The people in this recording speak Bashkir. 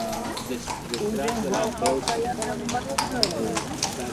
Үҙең һау ҡартаяһыңмы?